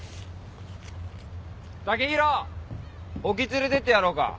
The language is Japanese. ・剛洋沖連れてってやろうか？